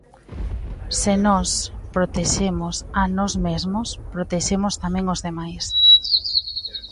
Se nos protexemos a nós mesmos, protexemos tamén os demais.